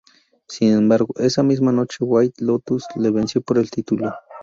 Sin embargo, esa misma noche, White Lotus le venció por el título.